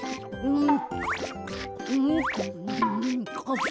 うん？